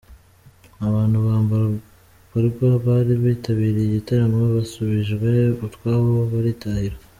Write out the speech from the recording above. Abantu mbarwa bari bitabiriye igitaramo, basubijwe utwabo baritahira.